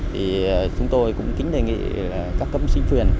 thì chúng tôi cũng kính đề nghị các cấp sinh truyền